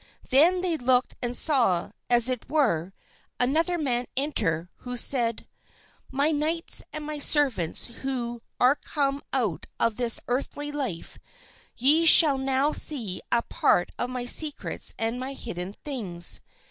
Then they looked and saw, as it were, another man enter who said: "My knights and my servants who are come out of this earthly life, ye shall now see a part of my secrets and my hidden things."